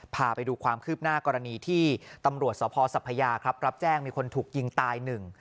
พาไปดูความคืบหน้ากรณีที่ตำรวจสพสัพพยาครับรับแจ้งมีคนถูกยิงตายหนึ่ง